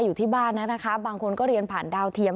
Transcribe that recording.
อยู่ที่บ้านนะคะบางคนก็เรียนผ่านดาวเทียม